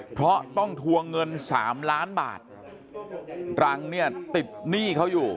เพราะต้องทวงเงินสามล้านบาทรังเนี่ยติดหนี้เขาอยู่